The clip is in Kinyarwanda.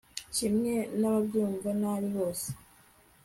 kimwe n'abamvuga nabi bose